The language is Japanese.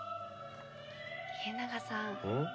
家長さん